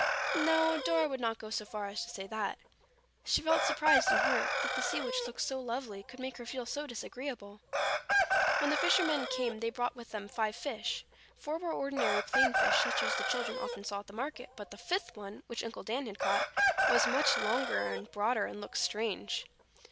No, Dora would not go so far as to say that. She felt surprised and hurt, that the sea which looked so lovely, could make her feel so disagreeable. When the fishermen came they brought with them five fish. Four were ordinary plain fish such as the children often saw at the market, but the fifth one, which Uncle Dan had caught, was much longer and broader and looked strange.